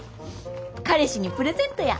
彼氏にプレゼントや。